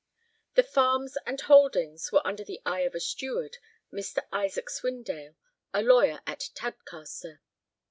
The farms and holdings were under the eye of a steward, Mr. Isaac Swindale, a lawyer at Tadcaster.